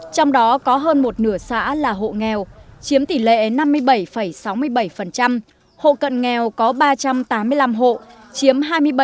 trong đó có hơn một nửa xã là hộ nghèo chiếm tỷ lệ năm mươi bảy sáu mươi bảy hộ cận nghèo có ba trăm tám mươi năm hộ chiếm hai mươi bảy